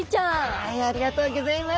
はいありがとうギョざいます。